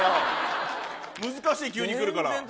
難しい急にくるから。